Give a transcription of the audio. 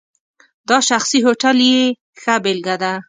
دا شخصي هوټل یې ښه بېلګه ده.